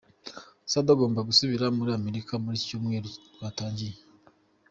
Soudy agomba gusubira muri Amerika muri iki cyumweru twatangiye.